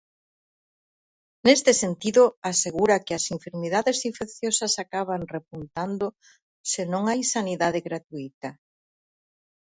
Neste sentido, asegura que as enfermidades infecciosas acaban repuntando se non hai sanidade gratuíta.